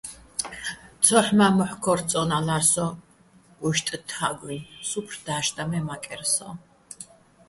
ცოჰ̦ მა́, მოჰ̦ ქორთო̆ წო́ნალარ სოჼ ოშტუჼ თაგუჲნი̆ სუფრ და́რჟდაჼ მე მაკერ სოჼ.